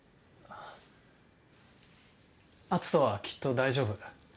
篤斗はきっと大丈夫。